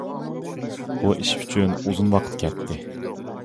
بۇ ئىش ئۈچۈن ئۇزۇن ۋاقىت كەتتى.